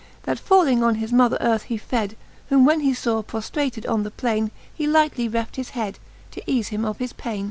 That falling on his mother earth, he fed: Whom when he faw proftratad on the plaine, He lightly reft his head, to eafe him o£ his paine.